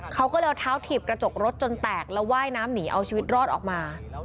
เขาก็เลยเอาเท้าถีบกระจกรถจนแตกแล้วว่ายน้ำหนีเอาชีวิตรอดออกมา